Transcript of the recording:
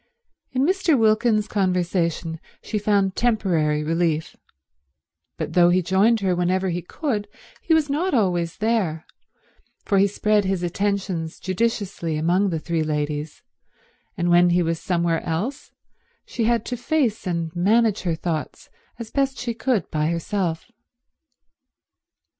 In Mr. Wilkins's conversation she found temporary relief, but though he joined her whenever he could he was not always there, for he spread his attentions judiciously among the three ladies, and when he was somewhere else she had to face and manage her thoughts as best she could by herself.